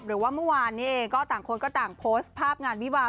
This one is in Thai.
หรือว่าเมื่อวานนี้เองก็ต่างคนก็ต่างโพสต์ภาพงานวิวา